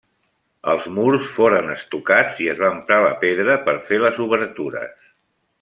Els murs foren estucats i es va emprar la pedra per fer les obertures.